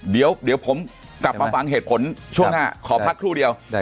เดี๋ยวผมกลับมาฟังเหตุผลช่วงหน้าขอพักครู่เดียว